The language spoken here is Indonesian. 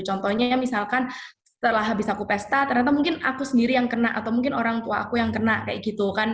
contohnya misalkan setelah habis aku pesta ternyata mungkin aku sendiri yang kena atau mungkin orang tua aku yang kena kayak gitu kan